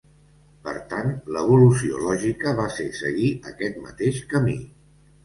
Per tant, l’evolució lògica va ser seguir aquest mateix camí.